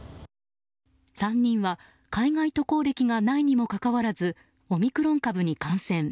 ３人は海外渡航歴がないにもかかわらずオミクロン株に感染。